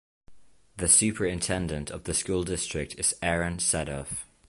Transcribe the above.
The superintendent of the school district is Aaron Sadoff.